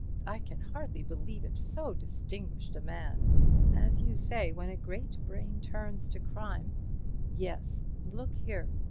I can hardly believe it—so distinguished a man—as you say, when a great brain turns to crime—yes—look here!